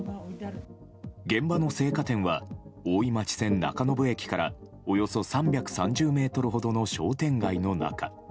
現場の青果店は大井町線中延駅からおよそ３３０ｍほどの商店街の中。